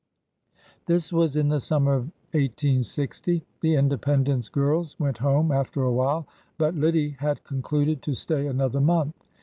This was in the summer of i860. The Independence girls went home after a while, but Lide had concluded to stay another month.